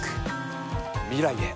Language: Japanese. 未来へ。